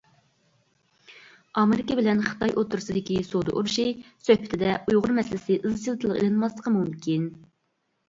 ئامېرىكا بىلەن خىتاي ئوتتۇرىسىدىكى سودا ئۇرۇشى سۆھبىتىدە ئۇيغۇر مەسىلىسى ئىزچىل تىلغا ئېلىنماسلىقى مۇمكىن.